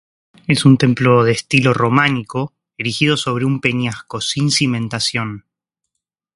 Es un templo de estilo románico, erigido sobre un peñasco, sin cimentación.